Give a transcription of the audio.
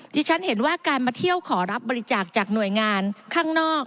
ที่ฉันเห็นว่าการมาเที่ยวขอรับบริจาคจากหน่วยงานข้างนอก